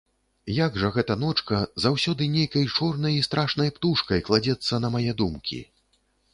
Як жа гэта ночка заўсёды нейкай чорнай і страшнай птушкай кладзецца на мае думкі!